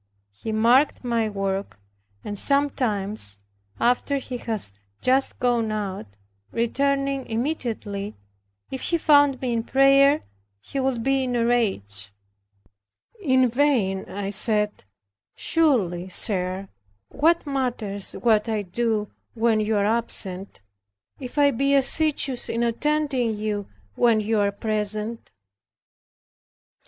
He marked my work, and sometimes, after he was just gone out, returning immediately, if he found me in prayer he would be in a rage. In vain I said, "Surely, sir, what matters it what I do when you are absent, if I be assiduous in attending you when you are present?"